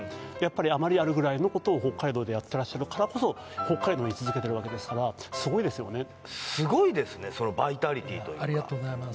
あまりあるぐらいのことを北海道でやってらっしゃるからこそ北海道に居続けてるわけですからスゴいですよねありがとうございます